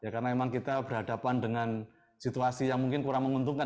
karena memang kita berhadapan dengan situasi yang mungkin kurang menguntungkan